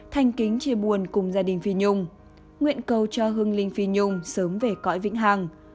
thanh kính chia buồn cùng gia đình phi nhung nguyện cầu cho hưng linh phi nhung sớm về cõi vĩnh hằng